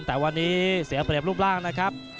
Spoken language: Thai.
แต่วันนี้เสียเปรียบรูปร่างนะครับ